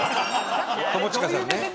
友近さんね。